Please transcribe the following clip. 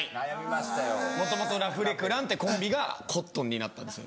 はいもともとラフレクランってコンビがコットンになったんですよ